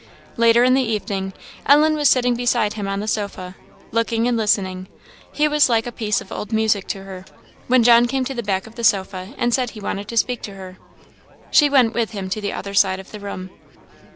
Later in the evening, Ellen was sitting beside him on the sofa, looking and listening he was like a piece of old music to her when John came to the back of the sofa and said he wanted to speak to her. She went with him to the other side of the room.